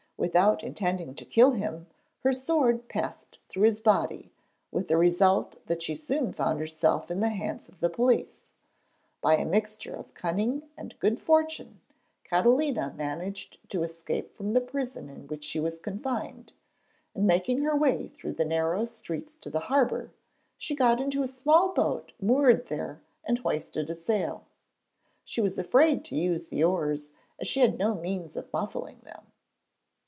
Without intending to kill him, her sword passed through his body, with the result that she soon found herself in the hands of the police. By a mixture of cunning and good fortune, Catalina managed to escape from the prison in which she was confined, and making her way through the narrow streets to the harbour, she got into a small boat moored there and hoisted a sail. She was afraid to use the oars as she had no means of muffling them.